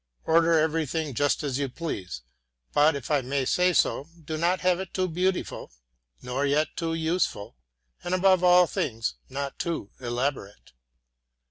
Order everything just as you please; but, if I may say so, do not have it too beautiful, nor yet too useful, and, above all things, not too elaborate.